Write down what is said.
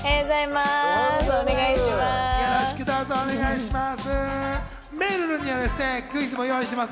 お願いします。